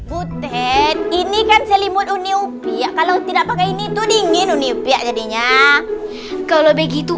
butet ini kan selimut uni upia kalau tidak pakai ini tuh dingin uni upia jadinya kalau begitu